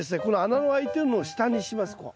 この穴のあいてるのを下にします。